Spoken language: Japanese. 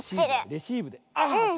レシーブであっ！